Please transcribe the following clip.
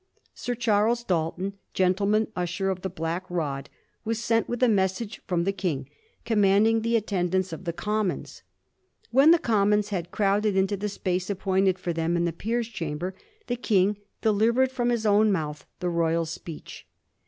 Sir Charles Dalton, Grentleman Usher of the Black Rod, was sent with a message from the King, commanding the attendance of the Commons. When the Commons had crowded into the space appointed for them in the Peers' Chamber, the King * delivered from his own mouth ' the Royal Speech.